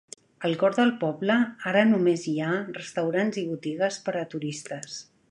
Al cor del poble ara només hi ha restaurants i botigues per a turistes.